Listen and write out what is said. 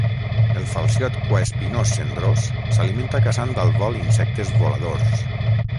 El falciot cuaespinós cendrós s'alimenta caçant al vol insectes voladors.